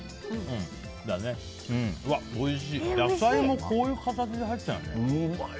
野菜もこういう形で入ってるんだね。